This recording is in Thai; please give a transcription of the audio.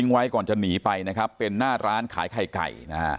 เสริมไว้ก่อนจะหนีไปเป็นหน้าร้านขายไข่ไก่